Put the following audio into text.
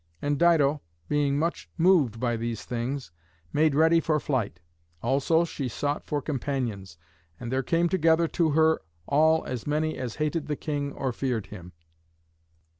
And Dido, being much moved by these things, made ready for flight; also she sought for companions, and there came together to her all as many as hated the king or feared him.